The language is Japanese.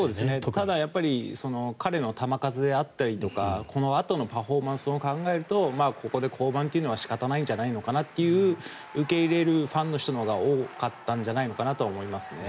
ただ彼の球数であったりとかこのあとのパフォーマンスを考えるとここで降板というのは仕方ないんじゃないのかなという受け入れるファンの人が多かったんじゃないのかなとは思いますね。